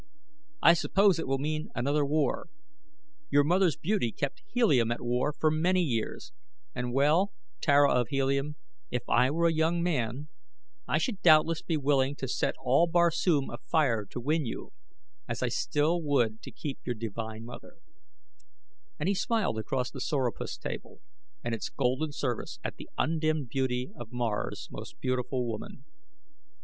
I suppose it will mean another war. Your mother's beauty kept Helium at war for many years, and well, Tara of Helium, if I were a young man I should doubtless be willing to set all Barsoom afire to win you, as I still would to keep your divine mother," and he smiled across the sorapus table and its golden service at the undimmed beauty of Mars' most beautiful woman.